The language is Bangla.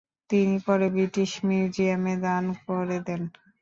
তিনি পরে ব্রিটিশ মিউজিয়ামে দান করে দেন।